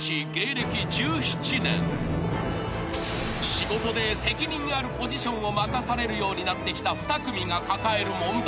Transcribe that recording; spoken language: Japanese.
［仕事で責任あるポジションを任されるようになってきた２組が抱える問題］